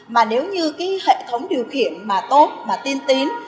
mà nếu như hệ thống điều khiển tốt và tiên tín